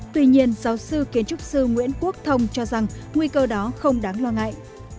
tuy nhiên giáo sư kiến trúc sư nguyễn quốc thông cho rằng nguy cơ đó không đáng lo ngại